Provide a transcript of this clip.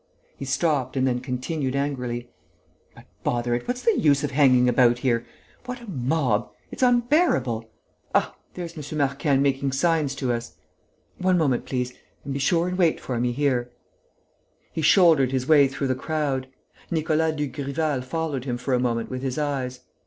He stopped and then continued, angrily. "But, bother it, what's the use of hanging about here! What a mob! It's unbearable!... Ah, there's M. Marquenne making signs to us!... One moment, please ... and be sure and wait for me here." He shouldered his way through the crowd. Nicolas Dugrival followed him for a moment with his eyes.